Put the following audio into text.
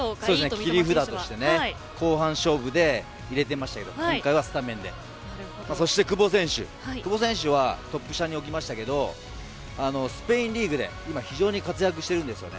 切り札として後半勝負で入れていましたけど今回はスタメンでそして久保選手、久保選手はトップ下に置きましたけどスペインリーグで今非常に活躍しているんですね。